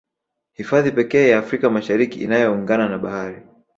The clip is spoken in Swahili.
Hifadhi pekee Afrika Mashariki inayoungana na Bahari